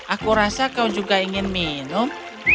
aku rasa kau juga ingin minum